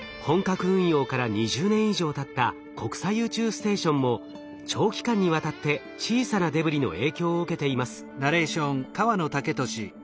本格運用から２０年以上たった国際宇宙ステーションも長期間にわたって小さなデブリの影響を受けています。